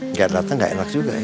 nggak dateng gak enak juga ya